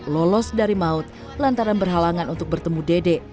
lolos dari maut lantaran berhalangan untuk bertemu dede